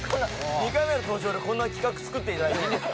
２回目の登場でこんな企画作っていただいていいんですか？